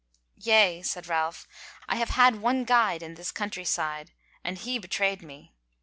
"Yea," said Ralph, "I have had one guide in this country side and he bewrayed me.